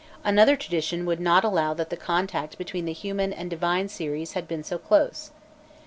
Another tradition would not allow that the contact between the human and divine series had been so close.